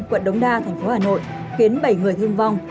quận đống đa thành phố hà nội khiến bảy người thương vong